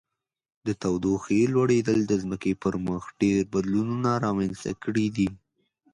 د تودوخې لوړیدل د ځمکې پر مخ ډیر بدلونونه رامنځته کړي دي.